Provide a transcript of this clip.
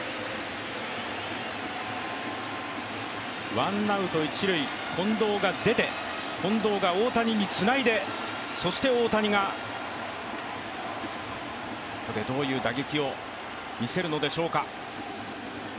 ワンアウト一塁、近藤が出て近藤が大谷につないで、そして大谷がここでどういう打撃を見せるのでしょうか。